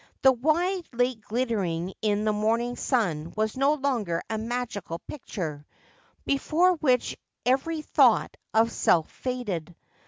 The wide lake glittering in the morning sun was no longer a magical picture, before which every thought of self faded.